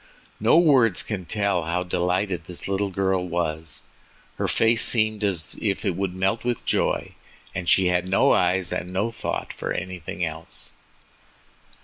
No words can tell how delighted the little girl was—her face seemed as if it would melt with joy, and she had no eyes and no thought for anything else.